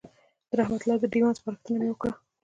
د رحمت الله د دېوان سپارښتنه مې وکړه.